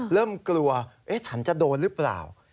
เริ่มกลัวฉันจะโดนหรือเปล่า